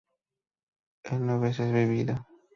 él no hubiese vivido